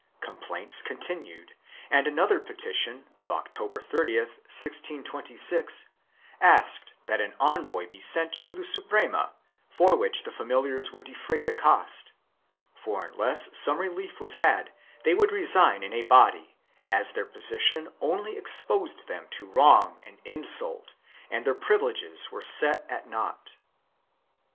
Complaints continued and another petition of October 30, 1626, asked that an envoy be sent to the Suprema, for which the familiars would defray the cost, for unless some relief was had they would resign in a body, as their position only exposed them to wrong and insult and their privi leges were set at naught.